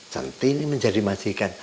centini menjadi mas ikan